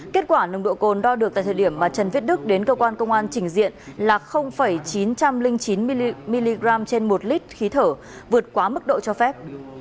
kết quả nồng độ cồn đo được tại thời điểm mà trần viết đức đến cơ quan công an trình diện là chín trăm linh chín mg trên một lít khí thở vượt quá mức độ cho phép